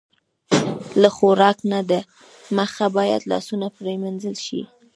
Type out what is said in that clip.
له خوراک نه د مخه باید لاسونه پرېمنځل شي.